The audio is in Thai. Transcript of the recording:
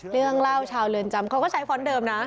เรื่องเล่าชาวเรือนจำเขาก็ใช้ฟ้อนต์เดิมนะ